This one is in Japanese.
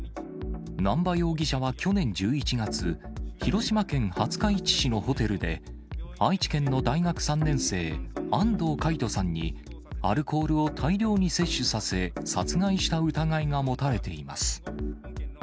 南波容疑者は去年１１月、広島県廿日市市のホテルで、愛知県の大学３年生、安藤魁人さんに、アルコールを大量に摂取させ、殺害した疑いが持たれています。